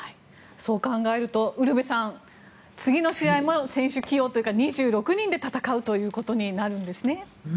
そう考えるとウルヴェさん次の試合での選手起用も２６人で戦うということになるんですね。